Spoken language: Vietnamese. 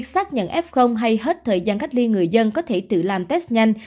xác nhận f hay hết thời gian cách ly người dân có thể tự làm test nhanh